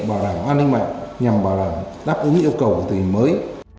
bảo đảm an ninh mạng nhằm bảo đảm đáp ứng yêu cầu của tỉnh mới